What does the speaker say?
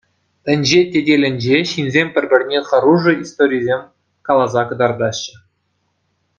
Тӗнче тетелӗнче ҫынсем пӗр-пӗрне хӑрушӑ историсем каласа кӑтартаҫҫӗ.